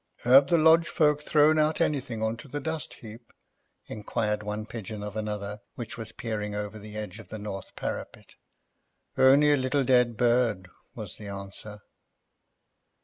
"Have the lodge folk thrown out anything on to the dust heap?" inquired one pigeon of another which was peering over the edge of the north parapet. "Only a little dead bird," was the answer.